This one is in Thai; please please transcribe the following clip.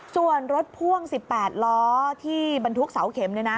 ส่วนรถพ่วง๑๘ล้อที่บรรทุกเสาเข็ม